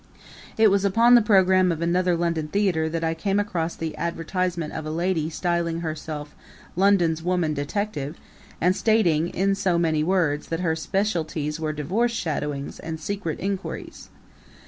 It was upon the program of another London theater that I came across the advertisement of a lady styling herself "London's Woman Detective" and stating, in so many words, that her specialties were "Divorce Shadowings" and "Secret Inquiries."